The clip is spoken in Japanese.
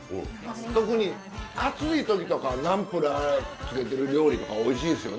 特に暑い時とかナンプラーつけてる料理とかおいしいですよね。